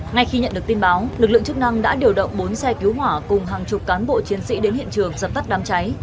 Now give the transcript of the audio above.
ngay khi nhận được tin báo lực lượng chức năng đã điều động bốn xe cứu hỏa cùng hàng chục cán bộ chiến sĩ đến hiện trường dập tắt đám cháy